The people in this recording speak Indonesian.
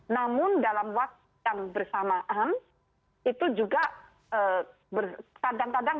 namun dalam waktu yang bersamaan itu juga berkandang kandang